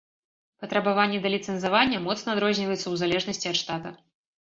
Патрабаванні да ліцэнзавання моцна адрозніваюцца ў залежнасці ад штата.